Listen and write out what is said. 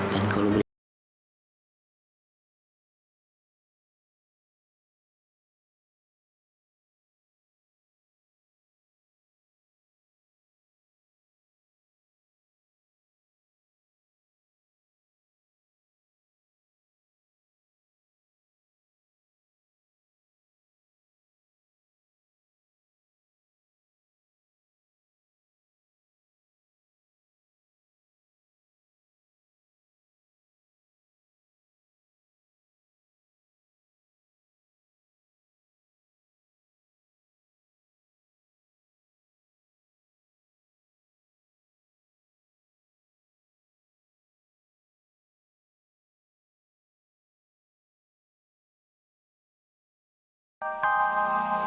dan kalau beliau nanggur aku nggak akan menanggung